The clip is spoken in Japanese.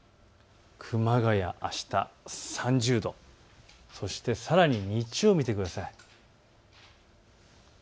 熊谷、あした３０度、そして、さらに日曜日を見てください。